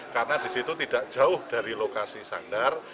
karena di situ tidak jauh dari lokasi sandar